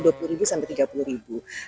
dua puluh hingga tiga puluh ribu